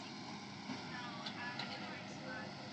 Mawenge yenye kijicho, kiswahili wakivunge,